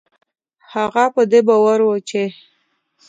هغه په دې باور و چې